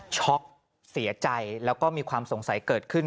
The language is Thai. ช็อกเสียใจแล้วก็มีความสงสัยเกิดขึ้น